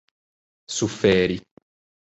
suferi